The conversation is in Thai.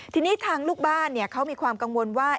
ทีนี้ทางลูกบ้านเขามีความกังวลว่า